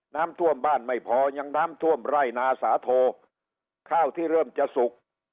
น้ำท่วมบ้านไม่พอยังน้ำท่วมไร่นาสาโทข้าวที่เริ่มจะสุก